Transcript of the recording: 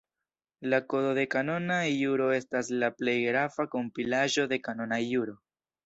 La Kodo de Kanona Juro estas la plej grava kompilaĵo de kanona juro.